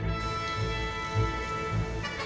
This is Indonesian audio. lima menit sebelum show